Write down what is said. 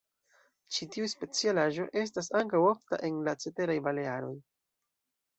Ĉi tiu specialaĵo estas ankaŭ ofta en la ceteraj Balearoj.